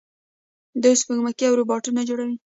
دوی سپوږمکۍ او روباټونه جوړوي.